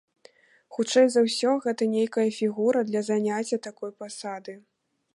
Хутчэй за ўсё, гэта нейкая фігура для заняцця такой пасады.